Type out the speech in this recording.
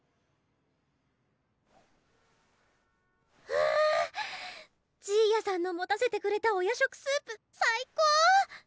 はあじいやさんの持たせてくれたお夜食スープ最高！